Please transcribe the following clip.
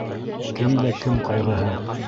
Кемдә кем ҡайғыһы...